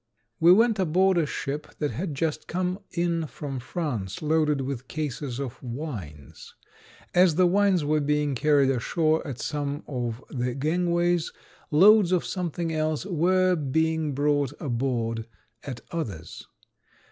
We went aboard a ship that had just come in from France loaded with cases of wines. As the wines were being carried ashore at some of the gangways loads of something else were being brought aboard at others.